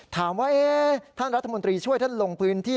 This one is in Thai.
ถามว่าท่านรัฐมนตรีช่วยท่านลงพื้นที่